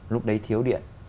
lúc đấy thiếu điện